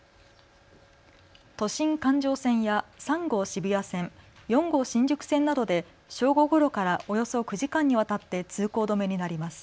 都心環状線や３号渋谷線、４号新宿線などで正午ごろからおよそ９時間にわたって通行止めになります。